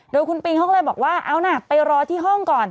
โดยคุณปิงเขาก็เลยบอกว่าเอานะไปรอที่ห้องก่อน